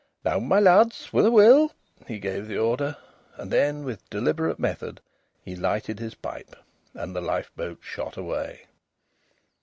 "Now, my lads, with a will," he gave the order. And then, with deliberate method, he lighted his pipe. And the lifeboat shot away.